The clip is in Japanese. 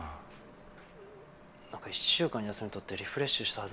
何か１週間休み取ってリフレッシュしたはずなんですけど。